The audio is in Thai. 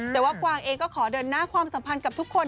แต่ว่ากวางเองก็ขอเดินหน้าความสัมพันธ์กับทุกคน